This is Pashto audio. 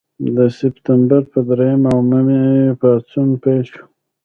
د سپټمبر پر دریمه عمومي پاڅون پیل شو.